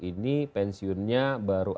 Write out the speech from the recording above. ini pensiunnya baru